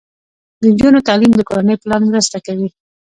د نجونو تعلیم د کورنۍ پلان مرسته کوي.